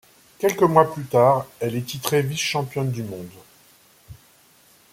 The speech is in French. Quelques mois plus tard, elle est titrée vice-championne du monde.